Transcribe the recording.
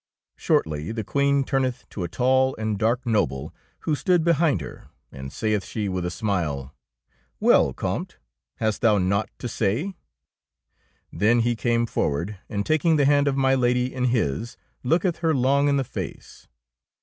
Shortly the Queen turneth to a tall and dark noble who stood behind her, and saith she with a smile, — "Well, Comte, hast thou naught to say I Then he came forward, and taking the hand of my Lady in his, looketh her long in the face.